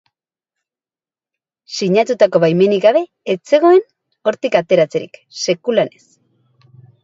Sinatutako baimenik gabe ez zegoen hortik ateratzerik, sekulan ez.